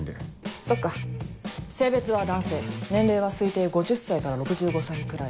そっか性別は男性年齢は推定５０歳から６５歳くらい。